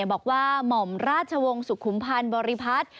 บอกว่าหม่อมราชวงศ์สุขุมพันธ์บริพัฒน์